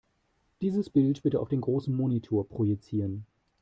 Dieses Bild bitte auf den großen Monitor projizieren.